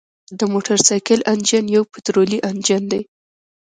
د موټرسایکل انجن یو پطرولي انجن دی.